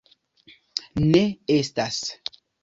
Ne estas.